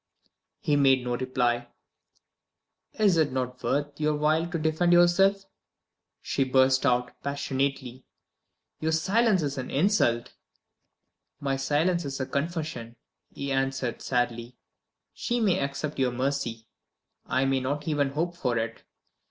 He made no reply. "Is it not worth your while to defend yourself?" she burst out, passionately. "Your silence is an insult!" "My silence is a confession," he answered, sadly. "She may accept your mercy I may not even hope for it."